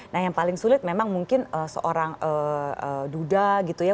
nah yang paling sulit memang mungkin seorang duda gitu ya